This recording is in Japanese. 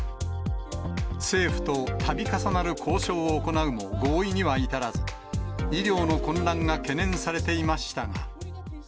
政府とたび重なる交渉を行うも、合意には至らず、医療の混乱が懸念されていましたが。